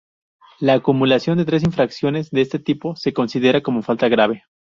La acumulación de tres infracciones de este tipo se considerará como falta grave.